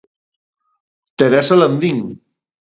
Teresa Landín.